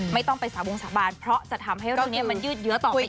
ไม่ต้องไปสาววงสาบานเพราะจะทำให้เรื่องนี้มันยืดเยื้อต่อไป